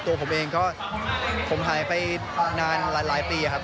ตัวผมเองก็ผมหายไปนานหลายปีครับ